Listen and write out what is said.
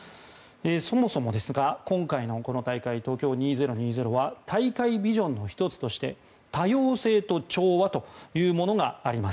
そもそも、今回のこの大会東京２０２０は大会ビジョンの１つとして多様性と調和というものがあります。